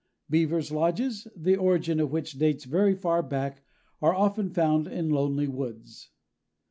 Beavers' lodges, the origin of which dates very far back, are often found in lonely woods."